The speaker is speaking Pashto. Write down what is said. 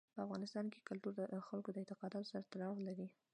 په افغانستان کې کلتور د خلکو د اعتقاداتو سره تړاو لري.